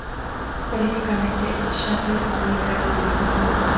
Políticamente, Shapley fue un liberal y fue víctima del macarthismo.